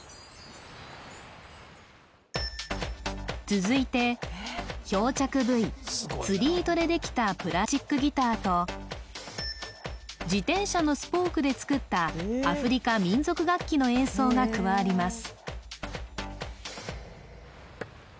続いて漂着ブイつり糸でできたプラチックギターと自転車のスポークで作ったアフリカ民族楽器の演奏が加わります